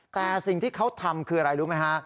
แต่สิ่งที่เขาทำคืออะไรรู้ไหมฮะ